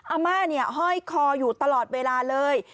อาม่าเนี่ยห้อยคออยู่ตลอดเวลาเลย